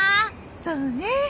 そうね。